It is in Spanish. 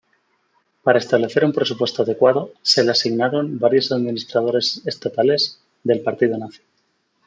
Para establecer un presupuesto adecuado, se le asignaron varios administradores estatales del Partido Nazi.